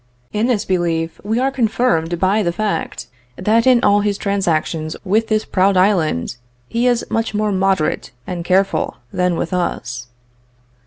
In this belief we are confirmed by the fact that in all his transactions with this proud island, he is much more moderate and careful than with us.